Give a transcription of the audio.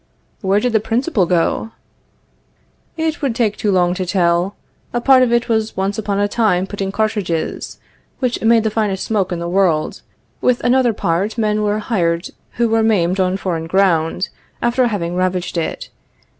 Where did the principal go? It would take too long to tell. A part of it was once upon a time put in cartridges, which made the finest smoke in the world; with another part men were hired who were maimed on foreign ground, after having ravaged it.